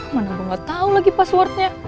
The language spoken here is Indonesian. mana gue gak tau lagi passwordnya